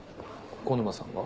小沼さんが？